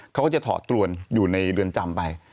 เขาก็จะถอดตรวนอยู่ในเรือนจำไป